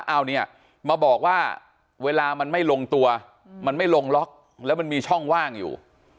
เอาเนี่ยมาบอกว่าเวลามันไม่ลงตัวมันไม่ลงล็อกแล้วมันมีช่องว่างอยู่